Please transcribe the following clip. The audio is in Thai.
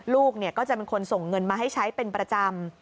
ลูกก็จะเป็นคนส่งเงินมาให้ใช้เป็นประจำ